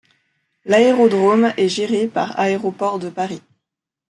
L’aérodrome est géré par Aéroports de Paris.